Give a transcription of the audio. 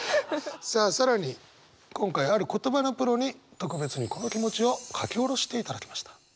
さあ更に今回はある言葉のプロに特別にこの気持ちを書き下ろしていただきました。